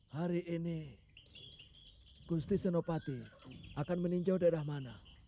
hari ini gusti senopati akan meninjau daerah mana